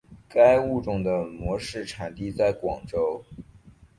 该物种的模式产地在广州。